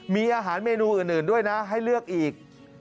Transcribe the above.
มีอาหารเมนูอื่นด้วยนะให้เลือกอีก